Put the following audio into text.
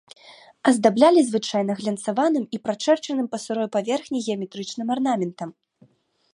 Аздаблялі звычайна глянцаваным і прачэрчаным па сырой паверхні геаметрычным арнаментам.